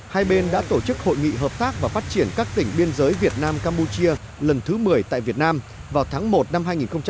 hai bên đã tổ chức hội nghị hợp tác và phát triển các tỉnh biên giới việt nam campuchia lần thứ một mươi tại việt nam vào tháng một năm hai nghìn một mươi chín